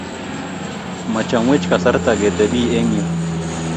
machomwech kasarta ketebi eng' yu